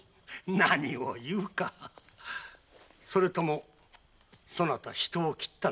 何を言うかそれともそなた人を斬ったのか？